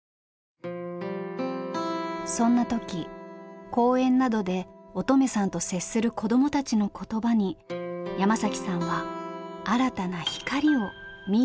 そんな時公園などで音十愛さんと接する子どもたちの言葉に山さんは新たな光を見いだしていきます。